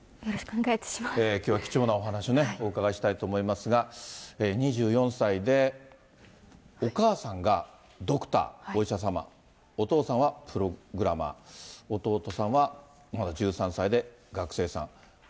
きょうは貴重なお話お伺いしたいと思いますが、２４歳で、お母さんがドクター・お医者様、お父さんはプログラマー、弟さんはまだ１３歳で、学生さん。